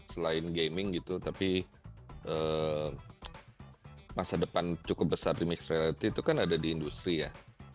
selain gaming gitu tapi masa depan cukup besar di mixed reality itu kan ada di industri ya